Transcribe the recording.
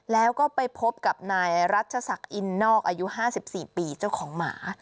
แล้วก็ไปพบกับนายรัชศักดิ์อินนอกอายุ๕๔ปีเจ้าของหมา